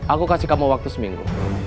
aku kasih kamu waktu seminggu